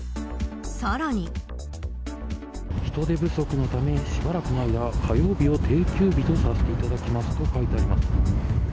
人手不足のためしばらくの間火曜日を定休日とさせていただきますと書いてあります。